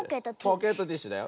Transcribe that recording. ポケットティッシュだよ。